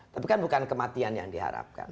tapi kan bukan kematian yang diharapkan